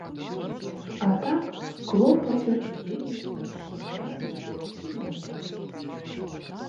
А так, клопаты, ідэі, расчараванні і наадварот.